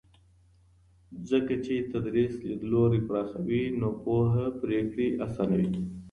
ځکه چې تدریس لیدلوری پراخوي نو پوهنه پرېکړې اسانوي.